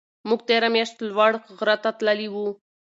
موږ تېره میاشت لوړ غره ته تللي وو.